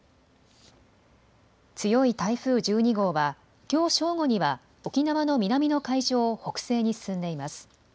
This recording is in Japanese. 強い台風１２号はきょう正午には沖縄の南の海上を北西に進んでいます。